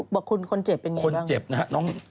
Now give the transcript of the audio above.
บอกคุณคนเจ็บเป็นยังไงบ้าง